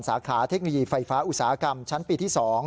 สาขาเทคโนโลยีไฟฟ้าอุตสาหกรรมชั้นปีที่๒